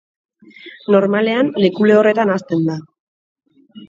Normalean leku lehorretan hazten da.